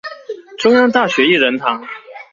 中央大學依仁堂